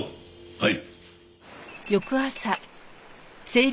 はい。